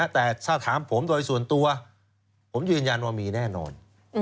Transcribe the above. แต่ถ้าถามผมโดยส่วนตัวผมยืนยันว่ามีแน่นอน